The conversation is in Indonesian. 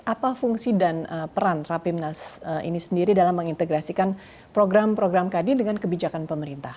apa fungsi dan peran rapimnas ini sendiri dalam mengintegrasikan program program kadin dengan kebijakan pemerintah